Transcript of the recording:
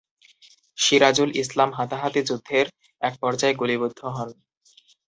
সিরাজুল ইসলাম হাতাহাতি যুদ্ধের একপর্যায়ে গুলিবিদ্ধ হন।